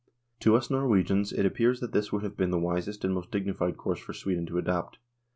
To us Norwegians it appears that this would have been the wisest and most dignified course for Sweden to adopt.